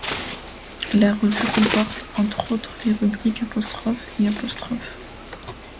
La revue comporte entre autres les rubriques ' et '.